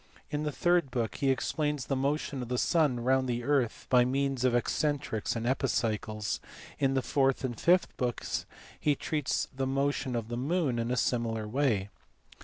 In the third book he explains the motion of the sun round the earth by means of excentrics and epicycles: and in the fourth and fifth books he treats the motion of the moon in a similar way.